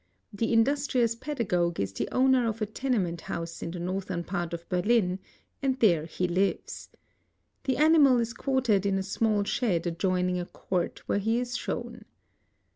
The In dustrious pedagogue <!4s the owner of a (tenement house in the northern part of Berlin, and there he lives. The animal Is 'quartered in a small shed adjoining a court where he is shown.